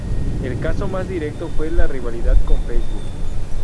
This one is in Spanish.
El caso más directo fue la rivalidad con Facebook.